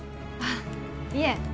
あっいえ